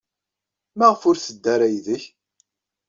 Maɣef ur teddi ara yid-k?